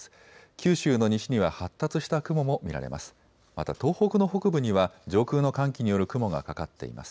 九州の西には発達した雲も見られます。